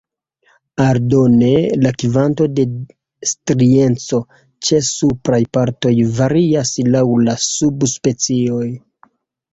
Aldone, la kvanto de strieco ĉe supraj partoj varias laŭ la subspecioj.